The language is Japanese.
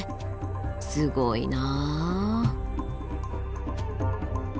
すごいな。